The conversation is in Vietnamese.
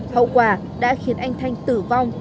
hậu quả đã khiến anh thanh tử vong